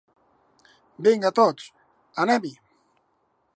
Vinga tots, anem-hi!